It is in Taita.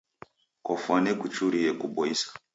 Kwafwane kuchurie kuboisa.